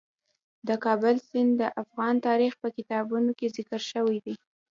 د کابل سیند د افغان تاریخ په کتابونو کې ذکر شوی دي.